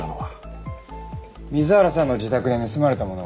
水原さんの自宅で盗まれたものは？